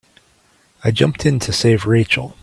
I jumped in to save Rachel.